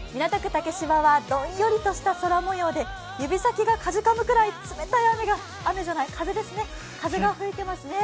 竹芝はどんよりとした空もようで指先がかじかむぐらい冷たい風が吹いていますね。